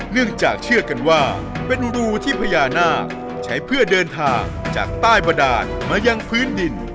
เนื่องจากเชื่อกันว่าเป็นรูที่พญานาคใช้เพื่อเดินทางจากใต้บดานมายังพื้นดิน